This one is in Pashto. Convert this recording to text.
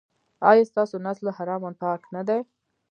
ایا ستاسو نس له حرامو پاک نه دی؟